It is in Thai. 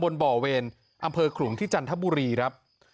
บ่อเวรอำเภอขลุงที่จันทบุรีครับ